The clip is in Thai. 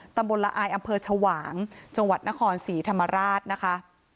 ตำบลละอายอำเภอชวางจังหวัดนครศรีธรรมราชนะคะ